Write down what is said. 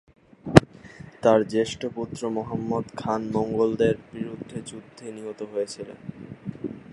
তার জ্যেষ্ঠ পুত্র মুহাম্মদ খান মঙ্গোলদের বিরুদ্ধে যুদ্ধে নিহত হয়েছিলেন।